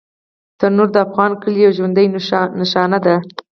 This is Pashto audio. تنور د افغان کلي یوه ژوندي نښانه ده